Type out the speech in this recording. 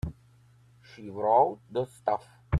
She wrote the stuff.